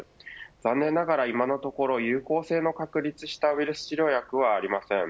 残念ながら今のところ有効性の確立したウイルス治療薬はありません。